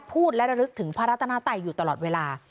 พูดและระลึกถึงพระรัตนาไตยอยู่ตลอดเวลา